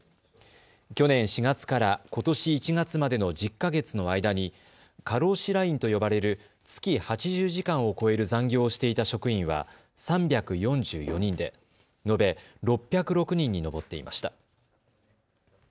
去年４月からことし１月までの１０か月の間に過労死ラインと呼ばれる月８０時間を超える残業をしていた職員は３４４人で延べ６０６人に上っていました。